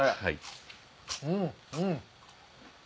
うんうん。